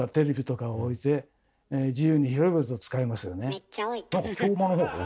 めっちゃ置いた。